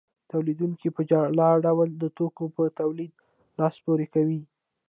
تولیدونکي په جلا ډول د توکو په تولید لاس پورې کوي